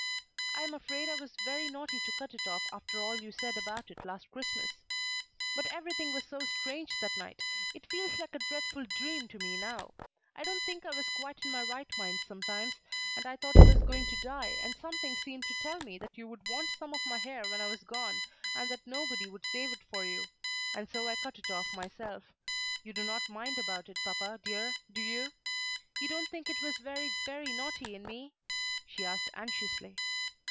I am afraid I was very naughty to cut it off after all you said about it last Christmas; but everything was so strange that night it seems like a dreadful dream to me now. I don't think I was quite in my right mind sometimes, and I thought I was going to die, and something seemed to tell me that you would want some of my hair when I was gone, and that nobody would save it for you; and so I cut it off myself. You do not mind about it, papa, dear, do you? You don't think it was very naughty in me?" she asked anxiously.